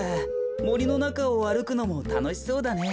もりのなかをあるくのもたのしそうだね。